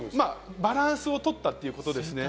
バランスを取ったということですね。